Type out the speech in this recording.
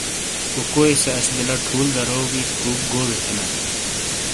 کو کو ئیے سے اش بلہ ٹھُول درو وی کُروک گوزے تھینائیے۔